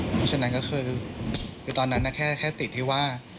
เพราะฉะนั้นตอนนั้นน่ะแค่ติดที่ว่า